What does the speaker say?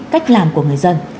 cách làm của người dân